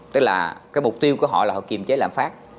tức là cái mục tiêu của họ là họ kiềm chế lạm phát